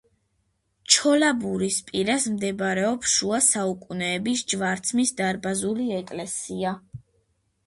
ჩოლაბურის პირას მდებარეობს შუა საუკუნეების ჯვარცმის დარბაზული ეკლესია.